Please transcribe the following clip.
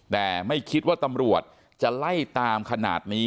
แต่ไม่คิดว่าตำรวจจะไล่ตามขนาดนี้